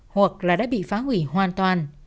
hoặc là đã bị phá hủy hoàn toàn